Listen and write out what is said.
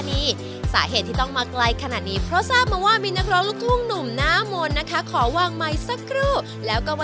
นี่นะครับน้องผู้ผ่านะครับ